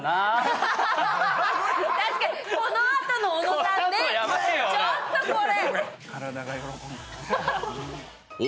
確かにこのあとの小野さんね、ちょっとこれやばいよ、俺。